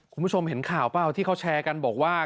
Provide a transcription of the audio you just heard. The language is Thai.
คุณผู้ชมเห็นข่าวเปล่าที่เขาแชร์กันบอกว่า